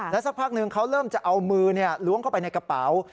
สักพักนึงเขาเริ่มจะเอามือล้วงเข้าไปในกระเป๋า